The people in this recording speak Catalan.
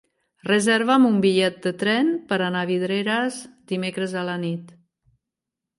Reserva'm un bitllet de tren per anar a Vidreres dimecres a la nit.